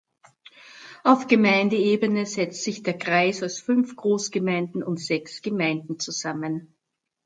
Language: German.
Auf Gemeindeebene setzt sich der Kreis aus fünf Großgemeinden und sechs Gemeinden zusammen.